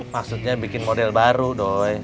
maksudnya bikin model baru dong